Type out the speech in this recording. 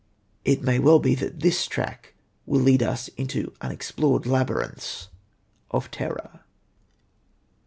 It may well be that this track will lead us into unexplored labyrinths of terror.